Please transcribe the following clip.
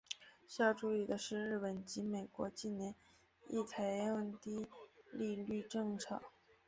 需要注意的是日本及美国近年亦采用低利率政策。